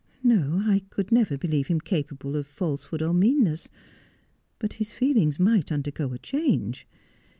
'No, I could never believe him capable of falsehood or meanness ; but his feelings might undergo a change.